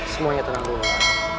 semuanya tenang dulu